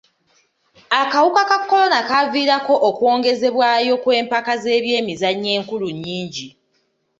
Akawuka ka kolona kaaviirako okwongezebwayo kw'empaka z'ebyemizannyo enkulu nnyingi.